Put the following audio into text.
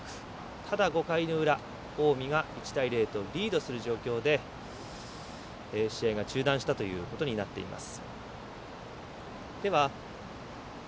ただ、５回の裏近江が１対０とリードする状況で試合が中断したということになっています。